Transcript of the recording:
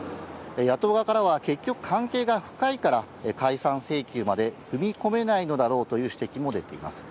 野党側からは、結局関係が深いから解散請求まで踏み込めないのだろうという指摘も出ています。